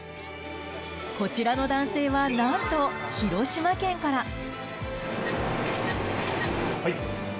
こちらの男性は何と広島県から。